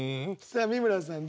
さあ美村さん